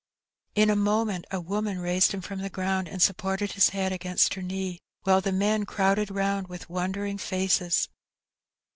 In a moment a woman raised him from the ground, and supported his head against her knee, while the men crowded round with wondering faces.